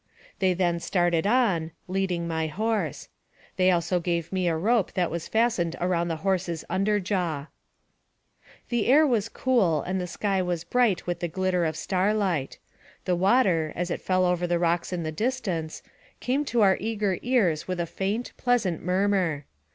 They then started on, leading my horse ; they also gave me a rope that was fastened around the horse's under jaw. The air was cool, and the sky was bright with the glitter of starlight. The water, as it fell over the rocks in the distance, came to our eager ears with a faint, pleasant murmur.